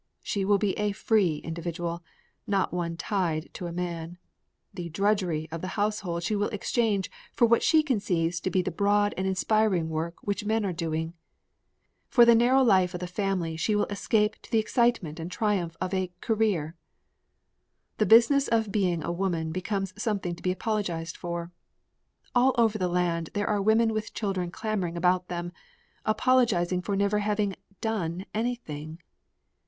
She will be a "free" individual, not one "tied" to a man. The "drudgery" of the household she will exchange for what she conceives to be the broad and inspiring work which men are doing. For the narrow life of the family she will escape to the excitement and triumph of a "career." The Business of Being a Woman becomes something to be apologized for. All over the land there are women with children clamoring about them, apologizing for never having done anything!